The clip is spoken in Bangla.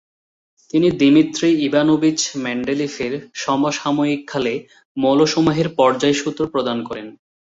তিনি দিমিত্রি ইভানোভিচ মেন্ডেলিফের সমসাময়িককালে মৌলসমূহের পর্যায় সূত্র প্রদান করেন।